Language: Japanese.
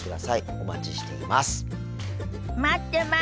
お待ちしています。